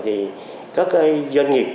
thì các doanh nghiệp